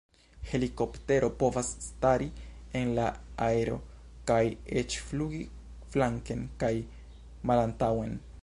Helikoptero povas stari en la aero kaj eĉ flugi flanken kaj malantaŭen.